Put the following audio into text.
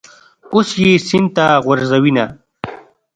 اوس یې سین ته غورځوینه.